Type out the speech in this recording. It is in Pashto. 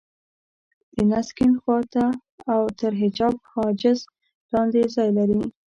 د نس کيڼ خوا ته او تر حجاب حاجز لاندې ځای لري.